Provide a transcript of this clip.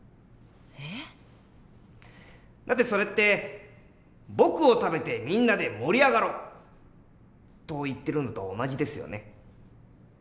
えっ？だってそれって「僕を食べてみんなで盛り上がろう」と言ってるのと同じですよね。